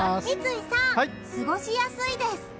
三井さん、過ごしやすいです。